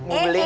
mau beli nih